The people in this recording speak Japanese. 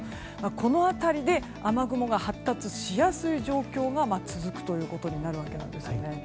この辺りで雨雲が発達しやすい状況が続くということになるわけです。